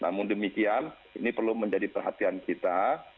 namun demikian ini perlu menjadi perhatian kita